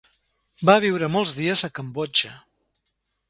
Va viure molts dies a Cambodja.